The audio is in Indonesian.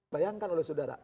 bayangkan lho saudara